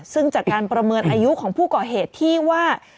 ซึ่งจากการประเมินอายุของผู้ก่อเหตุที่ว่า